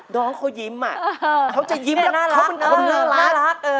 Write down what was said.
น้องเขายิ้มอ่ะเขาจะยิ้มน่ารักเขาเป็นคนน่ารัก